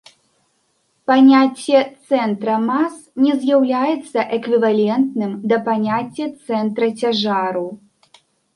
Паняцце цэнтра мас не з'яўляецца эквівалентным да паняцця цэнтра цяжару.